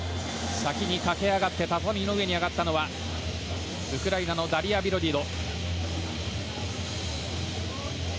先に駆け上がって畳の上に上がったのはウクライナのビロディッド。